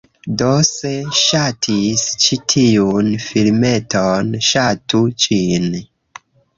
Do, se ŝatis ĉi tiun filmeton, ŝatu ĝin!